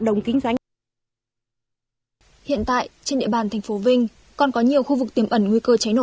đồng kinh doanh hiện tại trên địa bàn thành phố vinh còn có nhiều khu vực tiềm ẩn nguy cơ cháy nổ